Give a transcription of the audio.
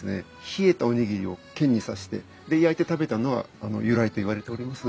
冷えたおにぎりを剣に刺してで焼いて食べたのが由来といわれております。